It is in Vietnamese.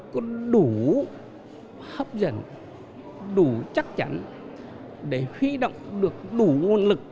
có đủ hấp dẫn đủ chắc chắn để huy động được đủ nguồn lực